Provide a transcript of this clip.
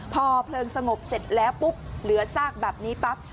พอเพลิงสงบเสร็จแล้วปุ๊บเหลือซากแบบนี้ปั๊บ